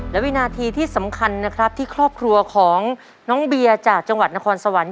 และวินาทีที่สำคัญนะครับที่ครอบครัวของน้องเบียจากจังหวัดนครสวรรค์